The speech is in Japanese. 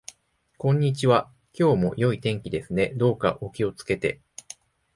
こんにちは。今日も良い天気ですね。どうかお気をつけて。